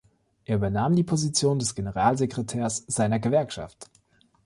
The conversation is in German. Er übernahm die Position des Generalsekretärs seiner Gewerkschaft.